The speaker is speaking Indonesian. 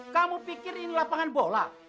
kamu pikir ini lapangan bola